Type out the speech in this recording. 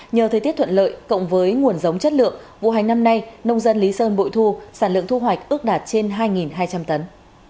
nhờ thời tiết thuận lợi cộng với nguồn giống chất lượng vụ hành năm nay nông dân lý sơn bội thu sản lượng thu hoạch ước đạt trên hai hai trăm linh tấn